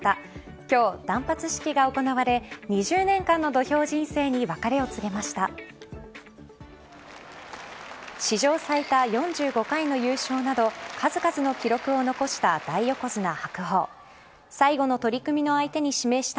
今日、断髪式が行われ２０年間の土俵人生に別れを告げました。